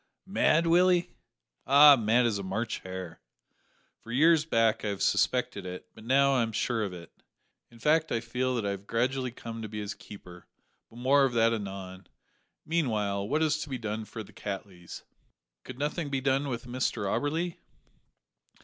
"Mad, Willie!" "Ay, mad as a March hare. For years back I have suspected it, but now, I am sure of it; in fact I feel that I have gradually come to be his keeper but more of that anon. Meanwhile, what is to be done for the Cattleys?" "Could nothing be done with Mr Auberly?"